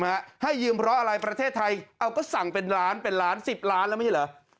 ให้ยืมเพราะอะไรประเทศไทยเอาก็สั่งเป็นล้านเป็นล้านสิบล้านแล้วไม่ใช่เหรอ